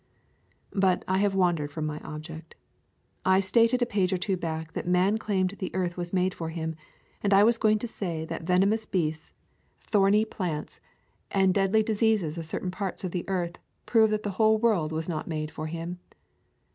But I have wandered from my object. I stated a page or two back that man claimed the earth was made for him, and I was going to say that venomous beasts, thorny plants, [ 140 ] Cedar Ki. eys and deadly diseases of certain parts of the earth prove that the whole world was not made for him.